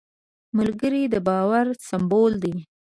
ملګری د باور سمبول دی